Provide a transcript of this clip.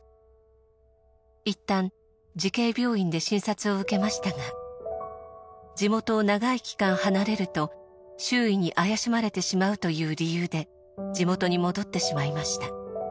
いったん慈恵病院で診察を受けましたが地元を長い期間離れると周囲に怪しまれてしまうという理由で地元に戻ってしまいました。